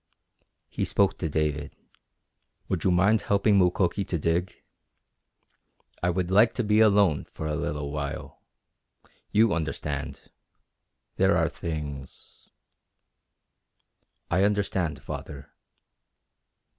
He spoke to David: "Would you mind helping Mukoki to dig? I would like to be alone for a little while. You understand. There are things...." "I understand, Father."